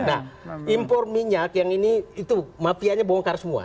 nah impor minyak yang ini itu mafianya bongkar semua